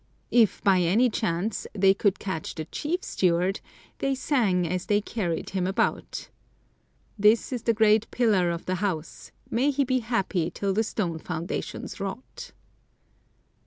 If, by any chance, they could catch the chief steward, they sang as they carried him about: "This is the great pillar of the house! May he be happy till the stone foundations rot!"